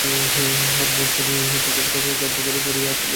হরিমোহিনী কাগজখানি যত্ন করিয়া মুড়িয়া আঁচলে বাঁধিয়া বাড়ি ফিরিয়া আসিলেন।